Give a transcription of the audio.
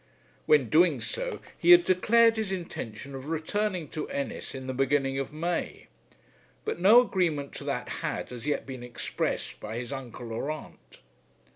When doing so he had declared his intention of returning to Ennis in the beginning of May; but no agreement to that had as yet been expressed by his uncle or aunt.